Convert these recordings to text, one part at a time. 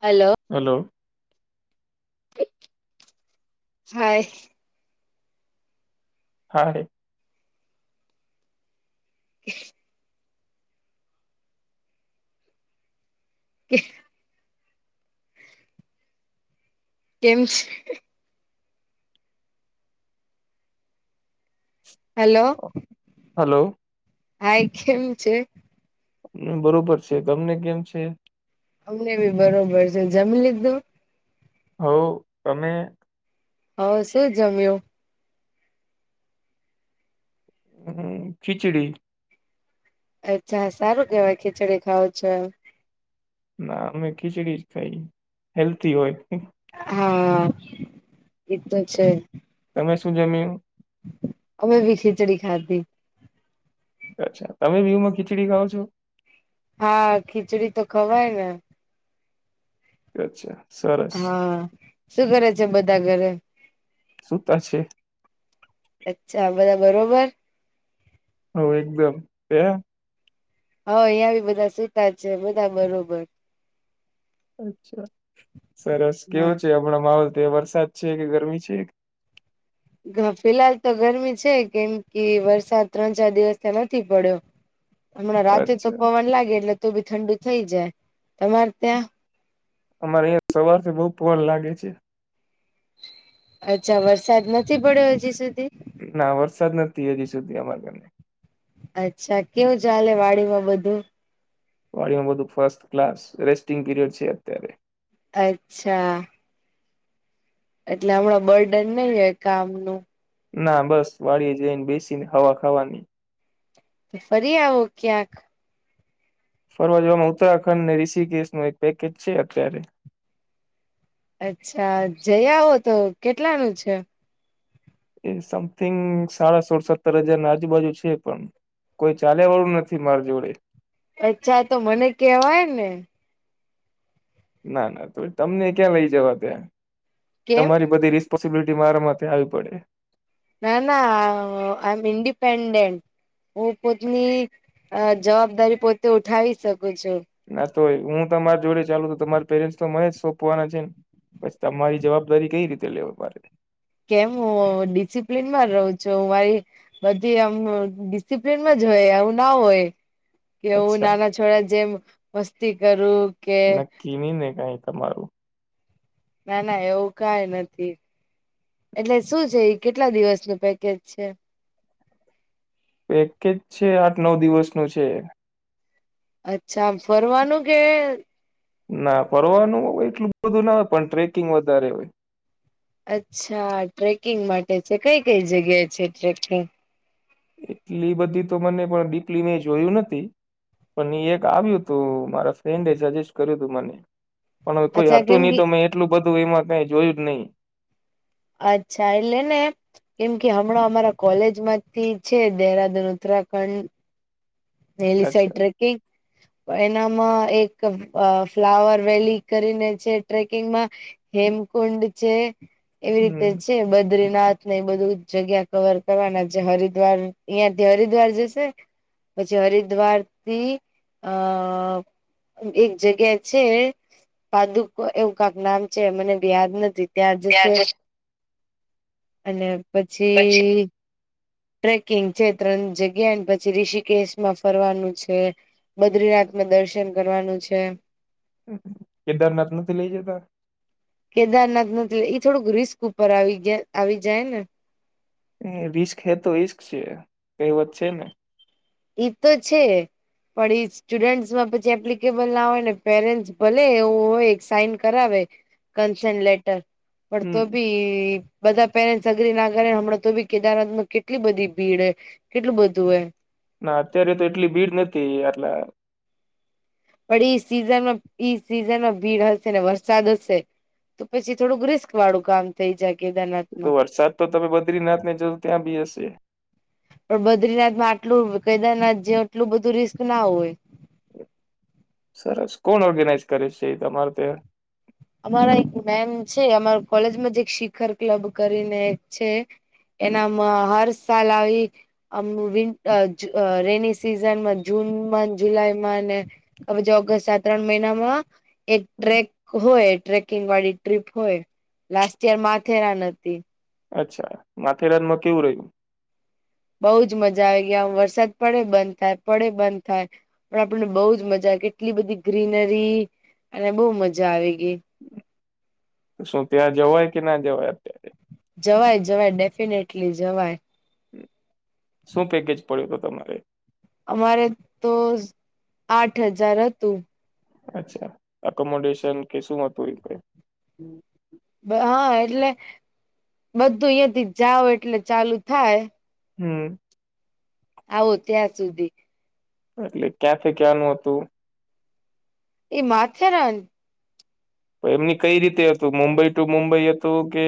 Hello hello hi હા એ [inaudible] કે [unintelligible] કેમ છે? હલો. હલો. હાઈ કેમ છે? બરોબર છે ગમને કેમ છે? અમને બી બરોબર છે જમી લીધું? હ તમે? હવશે જમ્યો? હમ ખીચડી. અચ્છા સારું કેવાય ખીચડી ખાવ છો. ના અમે ખીચડી જ ખાઈ, હેલ્થી હોય. હા એ તો છે. તમે શું જમી? ઓમે બી ખીચડી ખાધી. અચ્છા તમે બીુ માં ખીચડી ખાવ છો? હા ખીચડી તો ખવાય ને. અચ્છા સર હા, શું કરે છે બધા ઘરે? શુંતા છે. અચ્છા બધા બરોબર. હ એકદમ બે હ અંયા બી બધા સતા છે બધા બરોબર. અચ્છા સરસ કેવો છે હમણા માહોલ ત્યા વરસાદ છે કે ગરમી છે? ફિહાલ તો ગરમી છે કેમ કે વરસાદ ત્રણ ચાર દિવસ ત્યા નથી પડ્યો. હમણાં રાતે તો અચ્છા પવન લાગે એટલે તો બી ઠંડુ થઈ જાય, તમારે ત્યાં? અમારે અહં સવારથી બહુ પન લાગે છે. અચ્છા વરસાદ નથી પડ્યો હજી સુધી? ના વરસાદ નથી હજી સુધી અમારા ઘને. અચ્છા કેવું ચાલે વાડીમાં બધું? વાડીમાં બધું ફર્સ્ટ ક્લાસ રેસ્ટિંગ પીરિયડ છે અત્યારે. અચ્છા. એટલે હમણાં બર્ડન નહીં હોય કામ ન. ના બસ વાળે જઈને બેસીને હવા ખાવાની. ફરી આવો ક્યાંક. ફરવા જવામાં ઉત્તરાખંડ ને ઋષિકેશ ન એક પેકેજ છે અત્યારે. અચ્છા જઈઓ તો કેટલાનું છે? એ સમથિંગ સાડા સોળ સત્તર હજાર ના આજુબાજુ છે પણ. કોઈ ચાલ્યા વાળું નથી મારી જોડે. અચ્છા તો મને કેવાય ને. ના ના તો તમને ક્યાં લઈ જવા ત્યાં, કેમ? તમારી બધી ર પોસિબિલિટી મારા માટે આવી પડે. ના ના આઈ એમ ન્ડિપેન્ડેન્ટ. હું પોતની જવાબદારી પોતે ઉઠાવી શકું છું. ના તો હું તમારી જોડે ચાલુ તમારી પેરેન્ટ્સ તો મને જ સોંપવાના છે ને. તમારી જવાબદારી કઈ રીતે લેવા મારે કેમ હું ડિસિપ્લન માં રહું છું મારી બધી આમ ડિસિપ્લનમાં જ હોય આવું ના હોય કે હું અચ્છા નાના છોડા જેમ મસ્તી કરું કે નક્કી નહી ને કઈ તમારું ના ના એવું કઈ નથી એટલે શું છે કેટલા દિવસ નું પેકેજ છે પેકેજ છે આઠ નવ દિવસ નું છે અચ્છા આમ ફરવાનું કે ના ફરવાનું હો એટલું બધું ના હોય પણ ટ્રેકિંગ વધારે હોય અચ્છા ટ્રેકિંગ માટે છે કઈ કઈ જગ્યા છે ટ્રેકિંગ એટલી બધી તો મને પણ ડીપલી મેં જોયું નથી પણ એક આવ્યું તું મારા ફ્રેન્ડ એ સજેસ્ટ કર્યું હતું મને પણ હવે કોઈ અચ્છા હતું કેમ નહી કે તો મેં એટલું બધું એમાં કઈ જોયું જ નહી અચ્છા એટલે ને કેમ કે હમણાં અમારા કોલેજ માંથી છે દેહરાદૂન ઉત્તરાખંડ એલી સાઈટ અચ્છા ટ્રે એનામાં એક ફ્લાવર વેલી કરીને છે ટ્રેકિંગમાં હેમકુંડ છે એવી રીતે હમ. છે બદ્રીનાથ ને એ બધું જગ્યા કવર કરવાના છે હરિદ્વાર અહિયાં થી હરિદ્વાર જશે પછી હરિદ્વાર થી અ એક જગ્યા છે પાદુકો એવું કાક નામ છે મને યાદ નથી ત્યાં જશે અને પછી ટ્રેકિંગ છે ત્રણ જગ્યા પછી ઋષિકેશ માં ફરવાનું છે બદ્રીનાથમાં દર્શન કરવાનું છે કેદારનાથ નથી લઇ જતા કેદારનાથ નથી એ થોડુંક રિસ્ક ઉપર આવી આવી જાય ને એ રિસ્ક હે તો ઈશક છે કઈ વાત છે ને એ તો છે પણ એ સ્ટુડન્ટસમાં પછી એપ્લિકેબલ ના હોય ને પેરેન્ટસ ભલે એવું હોય સાઈન કરાવે કન્સનલેટર પણતો હમ ભી બધા પેરેન્ટ સગરી ના કર હમણાં તો બી કેદારનાથ માં કેટલી બધી ભીડ હ કેટલું બધું હૈ ના અત્યારે તો એટલી ભીડ નથી એટલે પણ ઈ સીઝનમાં ઈ સિઝનમાં ભીડ હશે ને વરસાદ હશે તો પછી થોડુંક રિસ્ક વાળું કામ થઈ જાય કેદારનાથ તો માં વરસાદ તો તમે બદ્રીનાથ ને જ ત્યાં બી હશે પણ બદ્રીનાથ માં આટલું કેદારનાથ જેટલું બધું રિસ્ક ના હોય સરસ કોણ ઓર્ગેનાઈઝ કરે છે એ તમારે ત્યા અમારા એક મેમ છે અમાર કોલેજ માંજ એક શિખર ક્લબ કરીને એક છે હમ. એનામાં હાર સાલ આવી આમ વિન [unintelligible] રેની સિઝનમાં જૂનમાં જુલાઈમાં અને અવેજ ઓગસ્ટ આ ત્રણ મહિનામાં એક ટ્રેક હોય ટ્રેકિંગ વાળી ટ્રીપ હોય લાસ્ટ યર માંથેરાન હતી અચ્છા માથેરાનમાં કેવું રહ્યું બઉ જ મજા આવી ગયા વરસાદ પડે બંધ થાય પડે બંધ થાય પણ આપણને બહુ જ મજા આવે, કેટલી બધી ગ્રીનરી અને બહુ મજા આવી ગઈ. શું ત્યાં જવાય કે, ના જવાય અત્યારે. જવાય, જવાય, ડેફિનેટલી જવાય. શું પેકેજ પડ્યો હતો, તમારે? અમારે તો, આઠ હજાર હતું. અચ્છા, અકોમોડેશન કે શું હતું એ કઈ? હા, એટલે બધું અહિયાં થી જાઓ, એટલે ચાલુ થાય. હમ. આવો ત્યાં સુધી. એટલે ક્યાંથી ક્યાનું હતું? એ માથેરાન. એમની કઈ રીતે હતું, મુંબઈ ટુ મુંબઈ હતું કે?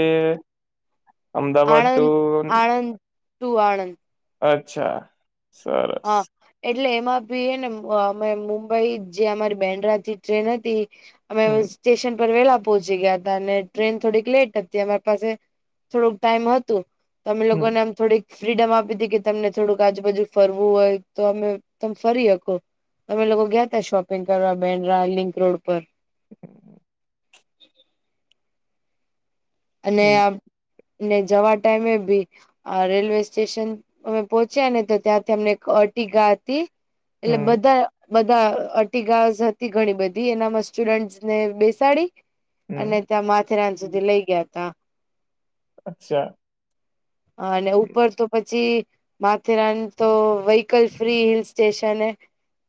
અમદાવાદ ટુ તું આણંદ. અચ્છા, સરસ. હા એટલે એમાં ભી એ ને, અ મુંબઈ જે અમારી બેડરાથી ટ્રેન હતી. અમે હમ સ્ટેશન પર વેલા પહોંચી ગયા હતા, અને ટ્રેન થોડીક લેટ હતી, અમારી પાસે. થોડુંક ટાઈમ હતું, તમે હમ લોકોને આમ થોડીક ફ્રીડમ આપી હતી કે, તમને થોડુંક આજુબાજુ‌. ફરવું હોય, તો અમે તમે ફરી હકો. અમે લોકો ગયા તા, શોપિંગ કરવા, બેડ્ર લિંક રોડ પર. હમ. અને હમ આમ જવા ટાઈમે બી. આ રેલવે સ્ટેશન અમે પોહોંચ્યા ને, તો ત્યાંથી અમને એક અર્ટિગા હતી. એટલે હમ બધા. બધા અર્ટિગાસ હતી, ઘણી બધી એનામાં સ્ટુડન્ટસને બેસાડી. અને હમ ત્યાં માથેરાન સુધી લઈ ગયા તા. અચ્છા. અને ઉપર તો પછી માથેરાન તો વ્હકલ ફ્રી હિલ સ્ટેશન એ,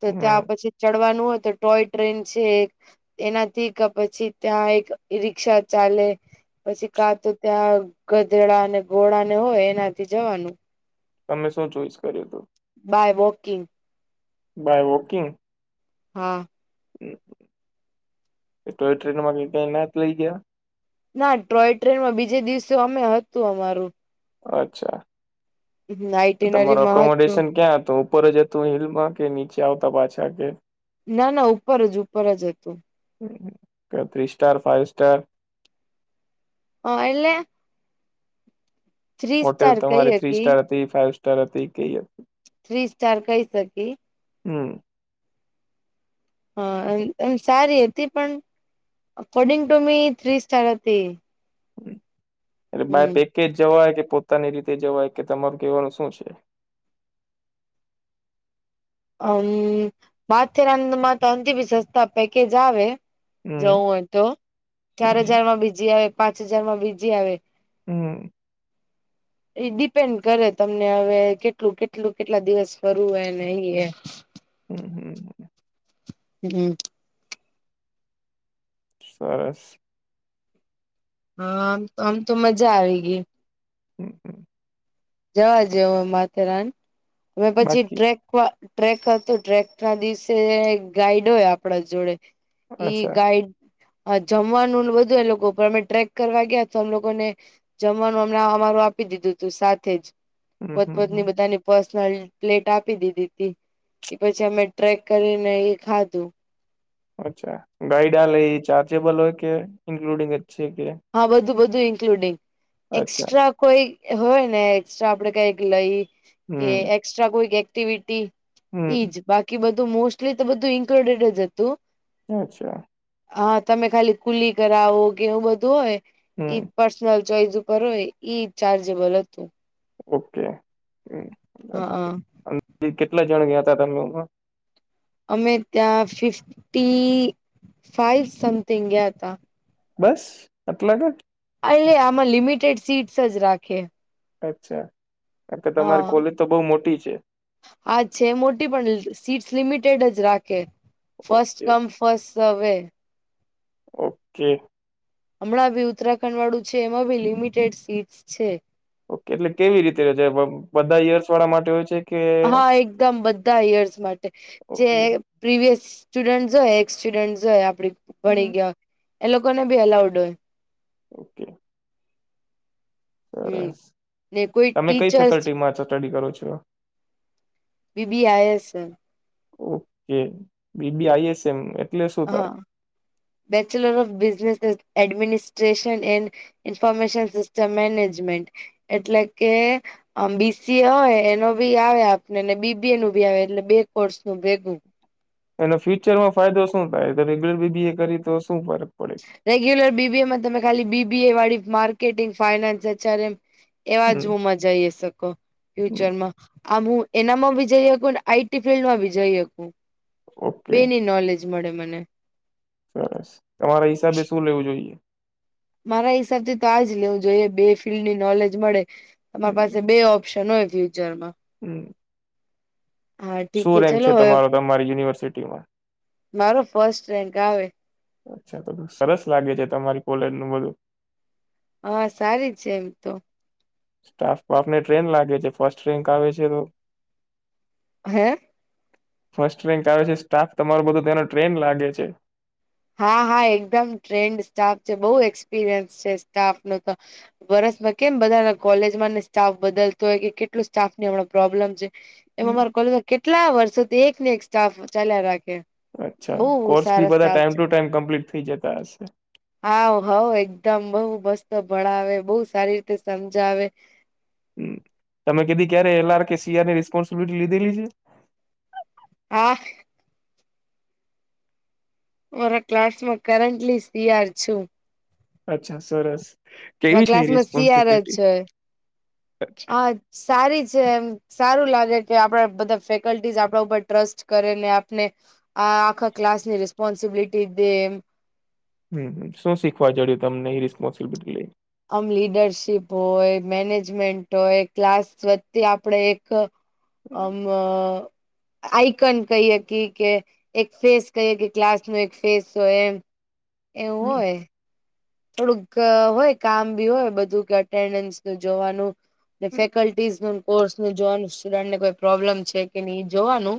તો ત્યાં પછી ચડવાનું હોય, તો ટોય ટ્રેન છે, એક. એનાથી પછી ત્યાં એક રિક્ષા ચાલે. પછી કા તો ત્યાં ગધેડાને, ધોળાને હોય, એનાથી જવાનું. તમે શું ચોઈસ કર્યું હતું? By walking. By walking. હા. ટોય ટ્રેનમાં કે, ક્યાંય ના જ લઇ ગયા. ના ટ્રોય ટ્રેનમાં બીજે દિવસે અમે હતું, અમારું. અચ્છા, તો તમારુ આઈટીનરીમાં હતું અકોમોડેશન ક્યાં હતું? ઉપર જતું હિલમાં કે, નીચે આવતા પાછા કે ના, ના, ઉપર જ ઉપર જ હતું. Three star five star. હ, એટલે થ્રી હોટેલ સ્ટાર કહી તમારી થ્રી હકી સ્ટાર હતી, ફાઈવ સ્ટાર હતી કેઈ હતી? થ્રી સ્ટાર કહી શકી. હમ્મ. હા, એ એમ સારી હતી પણ according to me three star હતી. એટલે હમ બાય પેકેજ જવાય કે પોતાની રીતે જવાય કે તમારું કહેવાનું શું છે. અમ બાથરાંદમાં તો અંત બી સસ્તા પેકેજ આવે. હમ જવું હોય તો ચાર હમ હજાર માં બીજી આવે પાંચ હજાર માં બીજી આવે હમ્મ. એ ડિપેન્ડ કરે તમને હવે કેટલું કેટલું કેટલા દિવસ ફરવું હોયને અહી એ હમ્મ હમ્મ. હમ્મ. સરસ. હામ આમ તો મજા આવે ગી. હમ્મ. જવા જેવો માથેરાન અને પછી બાકી ટ્રેક ટ્રેક હતો ટ્રેક ના દિવસે ગાઈડ હોય આપણા જોડે. એ અચ્છા ગાઈડ હા જમવાનુંને બધું એ લોકો અમે ટ્રેક કરવા ગયા તો અમ લોકોને જમવાનું હમણાં અમારું આપી દીધું હતું સાથે જ હમ હમ હમ પોતપોતની બધાની પર્સનલ પ્લેટ આપી દીધી હતી એ પછી અમે ટ્રેક કરીને એ ખાધું. અચ્છા ગાાઈડ લ ચાર્જેબલ હોય કે ઇન્ક્લુડિંગછ કે. હા બધું બધું ઇન્ક્લુડિંગ અચ્છા એક્સ્ટ્રા કોઈ હોય ને એસ્ટ્રા આપણે કઈક લઈ કે હમ એકસ્ટ્રા કોઈક એક્ટિવિટી ઈજ હમ બાકી બધું મોસ્ટલી તો બધું ઇન્ક્લુડેડ જ હતું. અચ્છા હા તમે ખાલી કુલી કરાવો કે એવું બધું હોય એ હમ પર્સનલ ચોઈસ ઉપર હોય ઈ ચાર્જેબલ હતું. ઓકે હમ્મ. હા હા કેટલા જણ ગયા ત તમે લોકોમાં અમે ત્યાં ફિફ્ટી ફાઈવ સમથિંગ ગયા તા બસ એટલા કે એટલે આમાં લિમિટેડ સીટસ જ રાખે. અચ્છા કાર કે તમારી હા કોલેજ તો બહુ મોટી છે. હા છે મોટી પણ સીટસ લિમિટેડ જ રાખે ફસ્ટ ઓકે કમ ફસ્ટ હવે. ઓકે. હમણાં બી ઉત્તરાખંડ વાળું છે એમાં ભી લિમિટેડ સીટસ છે. ઓકે એટલે કેવી રીતે છે બધા ઇયર્સ વાળા માટે હોય છે. કે હા એકદમ બધા ઇયર્સ માટે જે ઓકે પ્રીવિયસ સ્ટુડન્ટ જોય એસ સ્ટુડન્ટ જોય આપડી ભણી ગયા. એ લોકો ને બી અલાઉડ હોય. ઓકે. હમ સરસ ને કોઈ તમે કઈ ટીચર્સ ફેકલ્ટી માં સ્ટડી કરો છો. B B IS. Okay B B IS એમ હા bachelor of business administration and information system management એટલે કે આમ બીસીએ હોય એનો ભી આવે આપણેને બીબી એ નું ભી આવે એટલે બે કોર્સ નું ભેગું એનો ફ્યુચર માં ફાયદો શું થાય રેગ્યુલર બી બી એ કરીએ તો શું ફરક પડે રેગ્યુલર બીબીએમાં તમે ખાલી બીબીએ વાળી માર્કેટિંગ ફાઈનાન્સ એચારે એમ એવા હમ જૂમાં જઈ શકો હમ, ફ્યુચરમાં આ હું એનામાં ભી જઈ હકું આઈટી ફિલ્ડ માં બી જઈ હકું ઓકે બે ની નોલેજ મળે મને સરસ તમારા હિસાબે શું લેવું જોઈએ મારા હિસાબથી તો આજ લેવું જોઈએ બે ફિલ્ડ ની નોલેજ મળે તમારી પાસે બે ઓપ ઓપ્શન હોય ફ્યુચરમાં હમ્મ. હા ઠીક શું રેન્ક ચલો છે હવે તમારો તમારી યુનિવર્સિટીમાં મારો ફર્સ્ટ રેન્ક આવે અચ્છા તો સરસ લાગે છે તમારી કોલેર નું બધું હા સારી છે એમ તો સ્ટાફ તો આપને ટ્રેન લાગે છે ફર્સ્ટ રેન્ક આવે છે તો હે ફર્સ્ટ રેન્ક આવે છે સ્ટાફ તમારો બધું તેનો ટ્રેન લાગે છે હા હા એકદમ ટ્રેન્ડ સ્ટાફ છે બહુ એક્સપિરિયન્સ છે સ્ટાફ નું તો વર્સમાં કેમ બધા ના કોલેજમાં ને સ્ટાફ બદલતો હોય કે કેટલું સ્ટાફ ની હમણા પ્રોબ્લેમ છે એમ હમ, અમાર કોલેજમાં કેટલા વર્ષોથી એક ને એક સ્ટાફ ચાલ્યા રાખે અચ્છા બહુ કોર્સ બી સારા બધા સ્ટાફ ટાઈમ છે ટુ ટાઈમ કમ્પ્લીટ થઈ જતા હશે. હા હઓ એકદમ બઉ મસ્ત ભણાવે બહુ સારી રીતે સમજાવે હમ્મ તમે કીધી ક્યારે એલઆર કે સીઆર ની રિસ્પોન્સિબિલિટી લીધેલી છે. હા. મારા ક્લાસ માં કરન્ટલી સીયાર છું. અચ્છા સરસ. અમર કેવી છે એ ક્લાસ માં સીઆર જ રિસ્પોન્સિબિલિટી છે અચ્છા અ સારી છે એમ સારું લાગે કે આપણા બધા ફેકલ્ટીઝ આપણા ઉપર ટ્રસ્ટ કરે ને આપને આ આખા ક્લાસની રેસ્પોન્સિબિલીટી દે હમ્મ શું શીખવા જડ્યું તમને એ રિસ્પોન્સિબિલિટી લઈને આમ લીડરશીપ હોય મેનેજમેન્ટ હોય ક્લાસ વતી આપણે એક અ આમ આઈકન કહી હકી કે એક ફેસ કહી કે ક્લાસ નું એક ફેસ હોય એમ એવું હોય થોડુંક હોય કામ બી હોય બધું કે અટેન્ડન્સ જોવાનું ફેકલ્ટીઝ નું કોર્સ નું જોવાનું સ્ટુડન્ટને કોઈ પ્રોબ્લમ છે કે નહી એ જોવાનું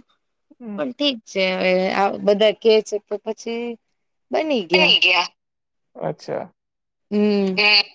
પણ ઠીક છે હવે આ બધા કે છે તો પછી નહી ગયા અચ્છા હમ્મ. હે.